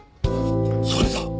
それだ！